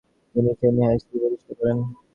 তিনি Feni high school প্রতিষ্ঠা করেন।